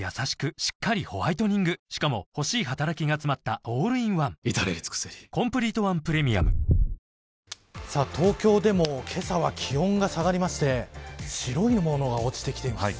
しっかりホワイトニングしかも欲しい働きがつまったオールインワン至れり尽せり東京でもけさは気温が下がりまして白いものが落ちてきています。